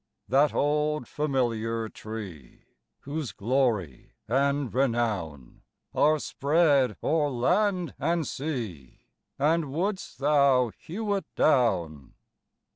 That old familiar tree, Whose glory and renown Are spread o'er land and sea And wouldst thou hew it down?